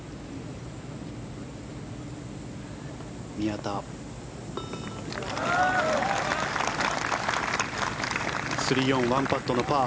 宮田、３オン１パットのパー。